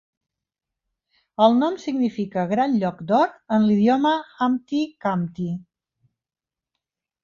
El nom significa "Gran Lloc d'Or" en l'idioma Hkamti Khamti.